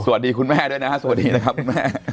สวัสดีคุณแม่ด้วยนะฮะสวัสดีนะครับคุณแม่